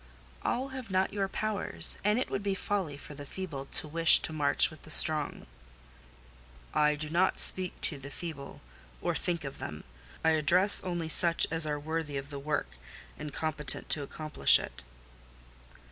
"All have not your powers, and it would be folly for the feeble to wish to march with the strong." "I do not speak to the feeble, or think of them: I address only such as are worthy of the work, and competent to accomplish it."